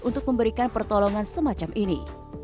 untuk memberikan pertolongan semacam ini